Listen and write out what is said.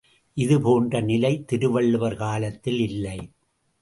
இதுபோன்ற நிலை திருவள்ளுவர் காலத்தில் இல்லை!